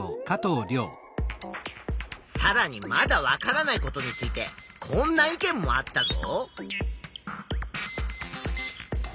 さらにまだ分からないことについてこんな意見もあったぞ。